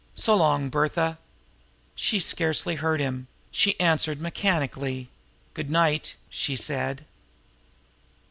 So long, Bertha!" She scarcely heard him; she answered mechanically. "Good night," she said.